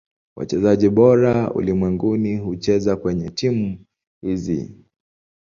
Wachezaji bora ulimwenguni hucheza kwenye timu hizi.